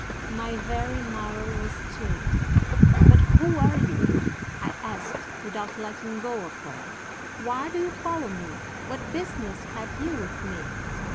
"'My very marrow was chilled. "'"But who are you?" I asked, without letting go of her. "Why do you follow me? What business have you with me?"